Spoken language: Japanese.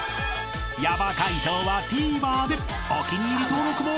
［ヤバ解答はＴＶｅｒでお気に入り登録も！］